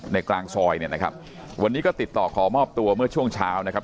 กลางซอยเนี่ยนะครับวันนี้ก็ติดต่อขอมอบตัวเมื่อช่วงเช้านะครับ